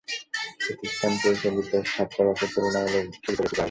প্রতিষ্ঠান পরিচালিত ছাত্রাবাসে তুলনামূলক সুবিধা বেশি পাওয়া যায়।